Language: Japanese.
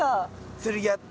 釣りやって？